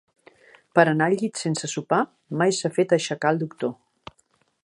Per anar al llit sense sopar, mai s'ha fet aixecar el doctor.